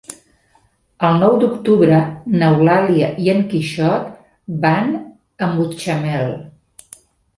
El nou d'octubre n'Eulàlia i en Quixot van a Mutxamel.